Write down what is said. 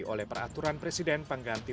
oleh peraturan presiden pengganti